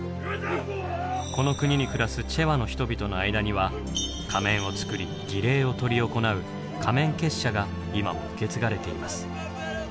この国に暮らすチェワの人々の間には仮面を作り儀礼を執り行う仮面結社が今も受け継がれています。